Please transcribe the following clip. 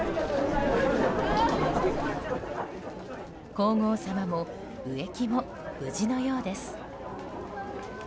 皇后さまも植木も無事のようです。